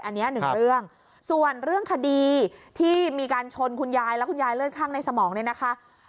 อันนี้หนึ่งเรื่องส่วนเรื่องคดีที่มีการชนคุณยายและคุณยายเลือดข้างในสมองเนี่ยนะคะ